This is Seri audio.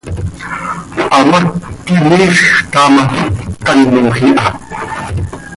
Hamác quij miizj taa ma, canoj iha.